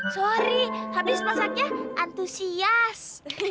sorry habis masaknya antusias